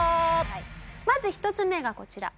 まず１つ目がこちら。